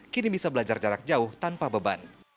kini bisa belajar jarak jauh tanpa beban